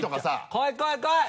来い来い来い！